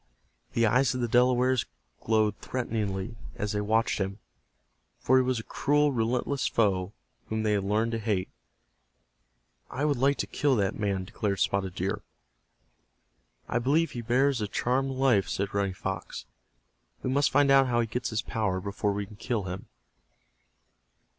The eyes of the Delawares glowed threateningly as they watched him, for he was a cruel, relentless foe whom they had learned to hate. "I would like to kill that man," declared Spotted Deer. "I believe he bears a charmed life," said Running Fox. "We must find out how he gets his power before we can kill him."